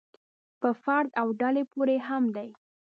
په فرد او ډلې پورې هم دی.